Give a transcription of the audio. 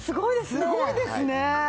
すごいですね！